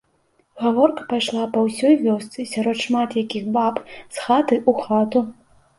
Гаворка пайшла па ўсёй вёсцы, сярод шмат якіх баб, з хаты ў хату.